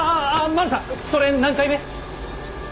マルさんそれ何回目？